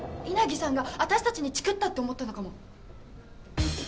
稲木さんが私たちにちくったって思ったのかも？